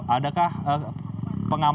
adakah pengamanan ekstra dari sepanjang jalan